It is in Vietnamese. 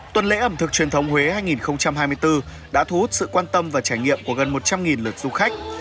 tuần lễ ẩm thực truyền thống huế hai nghìn hai mươi bốn đã thu hút sự quan tâm và trải nghiệm của gần một trăm linh lượt du khách